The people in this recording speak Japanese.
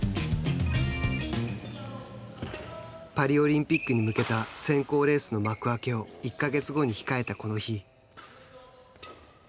パリオリンピックに向けた選考レースの幕開けを１か月後に控えたこの日。